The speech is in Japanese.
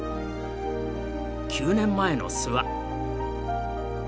９年前の諏訪。